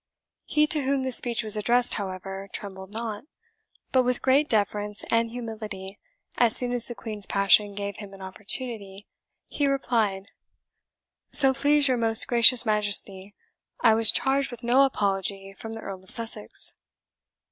He to whom the speech was addressed, however, trembled not; but with great deference and humility, as soon as the Queen's passion gave him an opportunity, he replied, "So please your most gracious Majesty, I was charged with no apology from the Earl of Sussex."